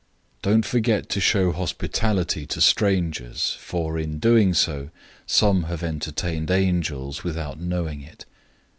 013:002 Don't forget to show hospitality to strangers, for in doing so, some have entertained angels without knowing it.